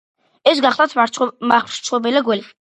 ეს გახლდათ მახრჩობელა გველი,